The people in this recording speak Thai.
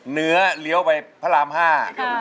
เนื้อเลี้ยวไปพระรามห้า